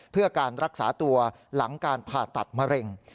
เพื่อการรักษาตัวหลังการผ่าตัดมะเร็ง